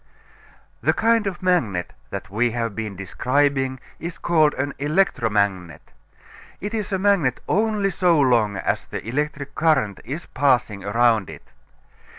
The kind of magnet that we have been describing is called an electromagnet. It is a magnet only so long as the electric current is passing around it.